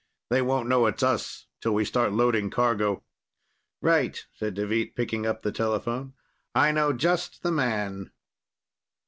They won't know it's us till we start loading cargo." "Right," said Deveet, picking up the telephone. "I know just the man."